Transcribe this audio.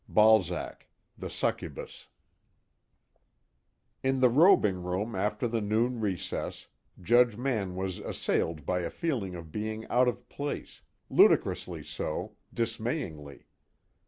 BALZAC, The Succubus I In the robing room after the noon recess, Judge Mann was assailed by a feeling of being out of place, ludicrously so, dismayingly.